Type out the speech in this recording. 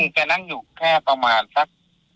แล้วถ้าจะนั่งอยู่แค่ประมาณสัก